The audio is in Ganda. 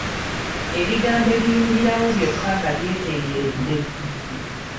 Ebigambo ebiyimirirawo byokka nga byetengeredde.